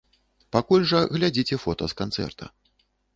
Пакуль жа глядзіце фота з канцэрта.